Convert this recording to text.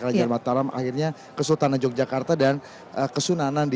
kerajaan mataram akhirnya kesultanan yogyakarta dan kesunanan di